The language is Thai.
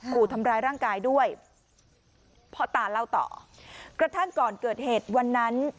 ขู่ทำร้ายร่างกายด้วยพ่อตาเล่าต่อกระทั่งก่อนเกิดเหตุวันนั้น